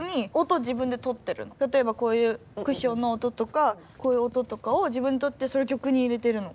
例えばこういうクッションの音とかこういう音とかを自分でとってそれ曲に入れてるの。